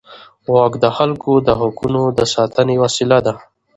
واک د خلکو د حقونو د ساتنې وسیله ده.